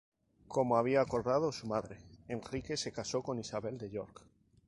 Como había acordado su madre, Enrique se casó con Isabel de York.